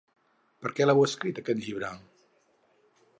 Per què l’heu escrit, aquest llibre?